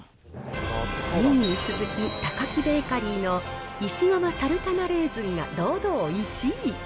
２位に続き、タカキベーカリーの石窯サルタナレーズンが堂々１位。